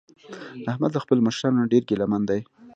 احمد له خپلو مشرانو نه ډېر ګله من دی.